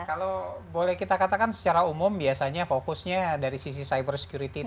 kalau boleh kita katakan secara umum biasanya fokusnya dari sisi cyber security